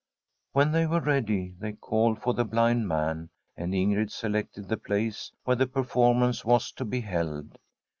When they were ready they called for the blind man, and Ingrid selected the place where the per formance was to be held.